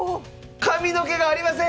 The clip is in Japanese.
髪の毛がありません！